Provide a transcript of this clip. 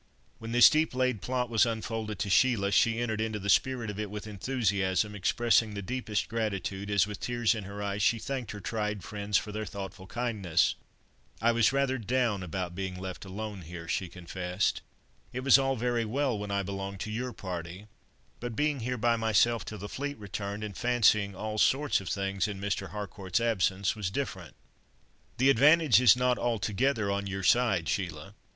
When this deep laid plot was unfolded to Sheila, she entered into the spirit of it with enthusiasm, expressing the deepest gratitude, as with tears in her eyes, she thanked her tried friends for their thoughtful kindness. "I was rather down about being left alone here," she confessed. "It was all very well when I belonged to your party, but being here by myself till the fleet returned, and fancying all sorts of things in Mr. Harcourt's absence, was different." "The advantage is not altogether on your side, Sheila.